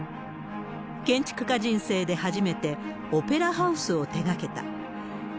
建築家人生で初めて、オペラハウスを手がけた。